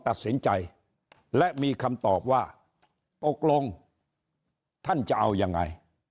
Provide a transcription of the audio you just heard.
ตัดสินใจและมีคำตอบว่าตกลงท่านจะเอายังไง